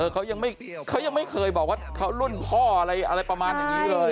เขายังไม่เคยบอกว่าเขารุ่นพ่ออะไรประมาณอย่างนี้เลย